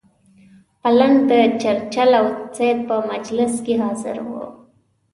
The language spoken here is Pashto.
بلنټ د چرچل او سید په مجلس کې حاضر وو.